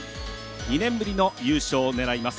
２年ぶりの優勝を狙います。